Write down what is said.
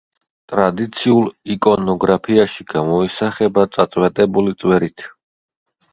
ტრადიციულ იკონოგრაფიაში გამოისახება წაწვეტებული წვერით.